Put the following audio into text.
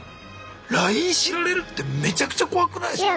ＬＩＮＥ知られるってめちゃくちゃ怖くないすか？